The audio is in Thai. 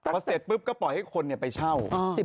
พอเสร็จปุ๊บก็ปล่อยให้คนไปเช่า